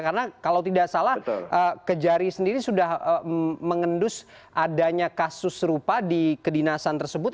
karena kalau tidak salah kejari sendiri sudah mengendus adanya kasus serupa di kedinasan tersebut